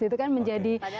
itu kan menjadi